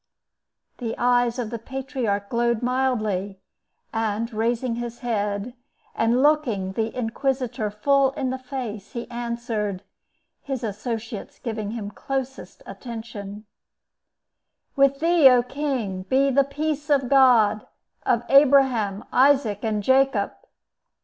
The eyes of the patriarch glowed mildly, and, raising his head, and looking the inquisitor full in the face, he answered, his associates giving him closest attention, "With thee, O king, be the peace of God, of Abraham, Isaac, and Jacob!"